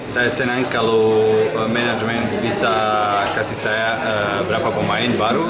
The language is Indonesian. saya senang kalau manajemen bisa kasih saya berapa pemain baru